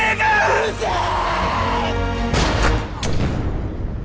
うるせえ！